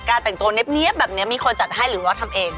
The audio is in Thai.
แต่งตัวเนี๊ยบแบบนี้มีคนจัดให้หรือว่าทำเอง